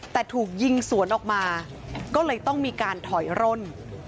แต่ถูกยิงสวนออกมาก็เลยต้องมีการถอยร่น